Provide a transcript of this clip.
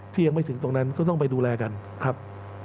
ยังไม่ถึงตรงนั้นก็ต้องไปดูแลกันครับ